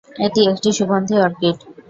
এটি একটি সুগন্ধি অর্কিড।